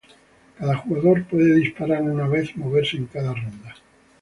Cada jugador puede disparar una vez y moverse en cada ronda.